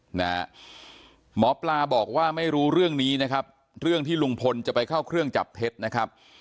หมอปลาบอกว่าไม่รู้เรื่องนี้นะครับเรื่องที่ลุงพลจะไปเข้าเครื่องจับเท็จนะครับ